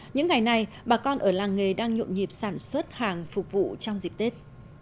những ngày này bà con ở làng nghề đang nhộn nhịp sản xuất hàng phục vụ trong dịp tết